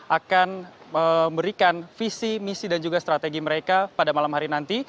akan memberikan visi misi dan juga strategi mereka pada malam hari nanti